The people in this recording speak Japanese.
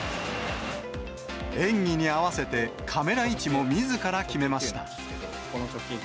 演技に合わせて、カメラ位置もみずから決めました。